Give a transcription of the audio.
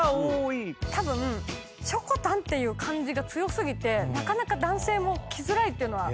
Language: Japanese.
たぶんしょこたんっていう感じが強過ぎてなかなか男性もきづらいっていうのはあるんですかね。